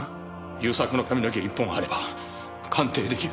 勇作の髪の毛１本あれば鑑定出来る。